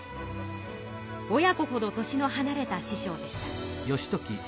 親子ほど年のはなれた師匠でした。